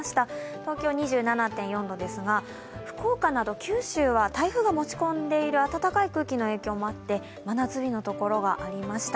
東京、２７．４度ですが福岡など九州は台風が持ち込んでいる暖かい空気の影響もあって真夏日のところもありました。